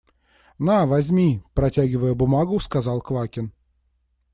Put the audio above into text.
– На, возьми, – протягивая бумагу, сказал Квакин.